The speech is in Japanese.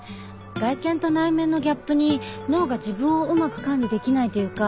外見と内面のギャップに脳が自分をうまく管理できないというか。